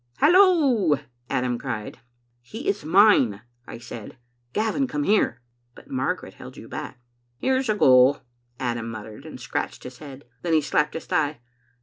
"'Hallo!* Adam cried. "'He is mine,' I said. 'Gavin, come here.' But Margaret held you back. "'Here's a go,* Adam muttered, and scratched his head. Then he slapped his thigh.